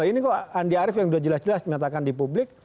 ini kok andi arief yang sudah jelas jelas menyatakan di publik